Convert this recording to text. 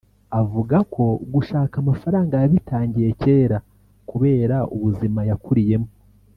Avuga ko gushaka amafaranga yabitangiye kera kubera ubuzima yakuriyemo